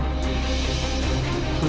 aku nggak bisa mencarimu